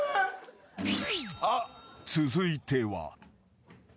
［続いては］